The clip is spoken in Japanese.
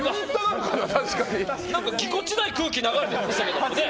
ぎこちない空気流れてましたけどね。